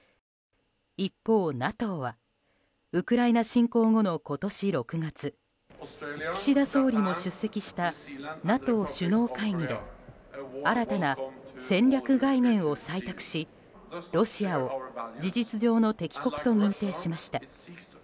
一方、ＮＡＴＯはウクライナ侵攻後の今年６月岸田総理も出席したＮＡＴＯ首脳会議で新たな戦略概念を採択しロシアを事実上の敵国と認定しました。